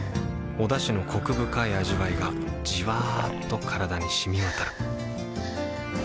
おだしのコク深い味わいがじわっと体に染み渡るはぁ。